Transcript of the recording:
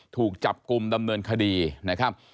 ถูกจับกลุ่มดำเนินคดีนะครับ